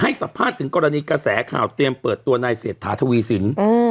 สัมภาษณ์ถึงกรณีกระแสข่าวเตรียมเปิดตัวนายเศรษฐาทวีสิน